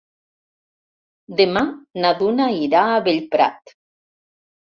Demà na Duna irà a Bellprat.